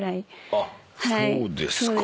あっそうですか。